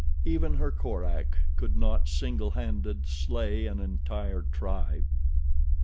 Even her Korak could not, single handed, slay an entire tribe.